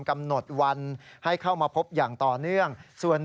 และอาจจะมีบางรายเข้าขายช่อกงประชาชนเพิ่มมาด้วย